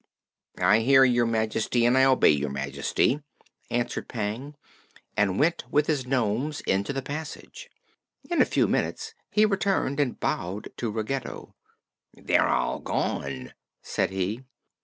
"I hear Your Majesty, and I obey Your Majesty," answered Pang, and went with his nomes into the passage. In a few minutes he returned and bowed to Ruggedo. "They're all gone," said he.